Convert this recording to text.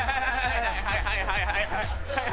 はいはいはいはい。